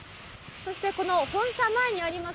そして、この本社前にあります